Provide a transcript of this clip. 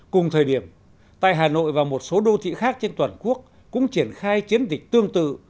cùng thời điểm tại hà nội và một số đô thị khác trên toàn quốc cũng triển khai chiến dịch tương tự